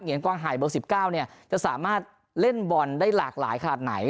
เงียนกองหายเบิก๑๙เนี่ยจะสามารถเล่นบอลได้หลากหลายขาดไหน